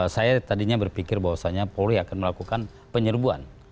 saya tadinya berpikir bahwasannya polri akan melakukan penyerbuan